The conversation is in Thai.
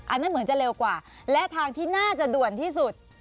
เหมือนจะเร็วกว่าและทางที่น่าจะด่วนที่สุด